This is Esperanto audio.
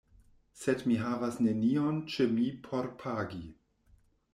Sed mi havas nenion ĉe mi por pagi.